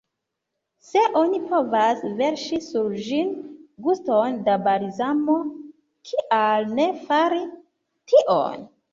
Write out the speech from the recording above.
Se oni povas verŝi sur ĝin guton da balzamo, kial ne fari tion?